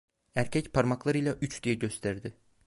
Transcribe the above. Erkek parmaklarıyla üç diye gösterdi.